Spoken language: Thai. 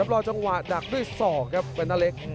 รอจังหวะดักด้วยศอกครับแฟนน้าเล็ก